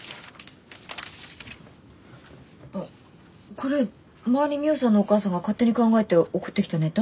これ前にミホさんのお母さんが勝手に考えて送ってきたネタ？